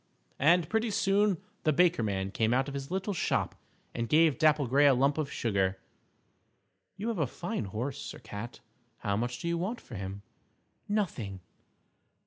And pretty soon the Baker Man came out of his little shop and gave Dapple Gray a lump of sugar. "You have a fine horse, Sir Cat. How much do you want for him?" "Nothing."